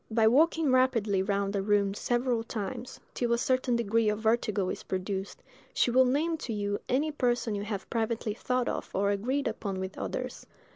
By walking rapidly round a room several times, till a certain degree of vertigo is produced, she will name to you any person you have privately thought of or agreed upon with others.